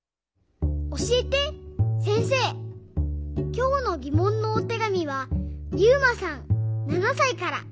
きょうのぎもんのおてがみはゆうまさん７さいから。